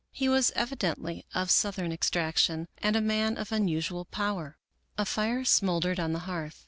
He was evidently of Southern extraction and a man. of unusual power. A fire smoldered on the hearth.